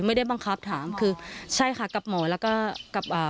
ไม่ได้บังคับถามคือใช่ค่ะกับหมอแล้วก็กับอ่า